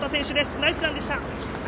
ナイスランでした！